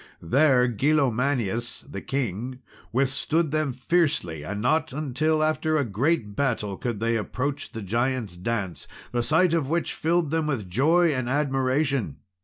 There Gillomanius, the king, withstood them fiercely, and not till after a great battle could they approach the Giants' Dance, the sight of which filled them with joy and admiration.